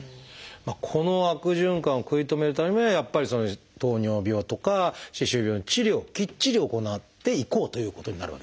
この悪循環を食い止めるためにはやっぱり糖尿病とか歯周病の治療をきっちり行っていこうということになるわけですね。